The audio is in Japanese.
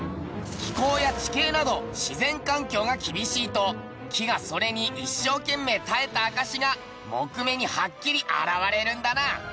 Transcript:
気候や地形など自然環境が厳しいと木がそれに一生懸命耐えた証しが杢目にはっきり現れるんだな。